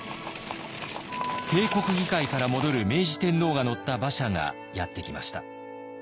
帝国議会から戻る明治天皇が乗った馬車がやって来ました。